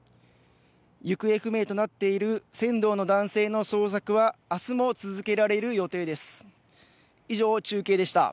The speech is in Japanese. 行方不明となっている船頭の男性の捜索は明日も続けられる予定です。